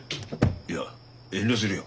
いや遠慮するよ。